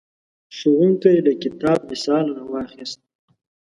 ښوونکی له کتاب مثال راواخیست.